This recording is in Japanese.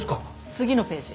次のページ。